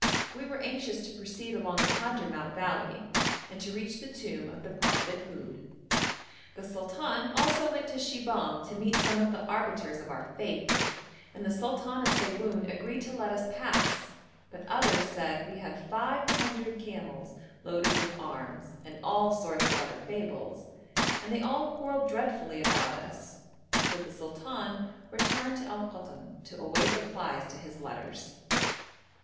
We were anxious to proceed along the Hadhramout valley and to reach the tomb of the prophet Houd. The sultan also went to Shibahm to meet some of the arbiters of our fate, and the sultan of Siwoun agreed to let us pass: but others said we had five hundred camels loaded with arms, and all sorts of other fables, and they all quarrelled dreadfully about us, so the sultan returned to Al Koton to await replies to his letters.